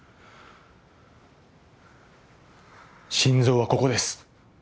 心臓はここです。